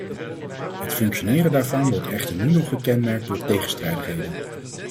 Het functioneren daarvan wordt echter nu nog gekenmerkt door tegenstrijdigheden.